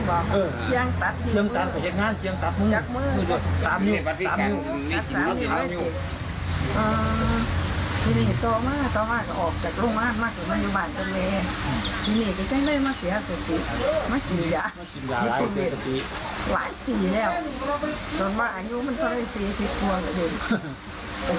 อาการตำเนื่องขาดไปกำลังจะออกจากโรงศาลมากกว่ามาดูมาอยู่บ้านทะเล